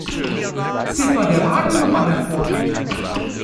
Ziffer der Wagennummer hervorgeht.